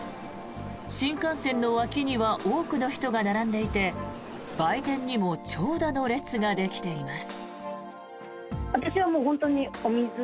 新幹線の脇には多くの人が並んでいて売店にも長蛇の列ができています。